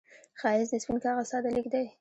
ښایست د سپين کاغذ ساده لیک دی